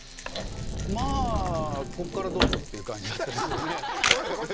まあ、ここからどうぞという感じだったですよね。